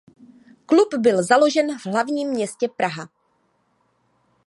Klub byl založen v hlavním městě Praha.